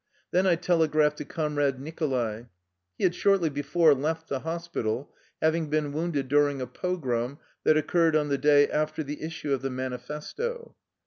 Then I telegraphed to Comrade Nicholai. He had shortly before left the hospital, having been wounded during a pogrom that occurred on the day after the is sue of the manifesto.